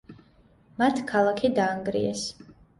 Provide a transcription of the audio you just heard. მათ ქალაქი დაანგრიეს.